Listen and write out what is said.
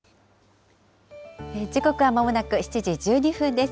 時刻はまもなく７時１２分です。